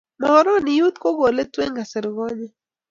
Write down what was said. Muhoroni youth kokoletu emn kasari konye